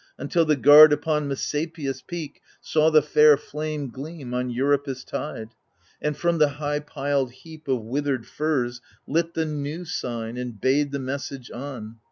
Until the guard upon Messapius' peak Saw the far flame gleam on Euripus' tide, And from the high piled heap of withered furze Lit the new sign and bade the message on.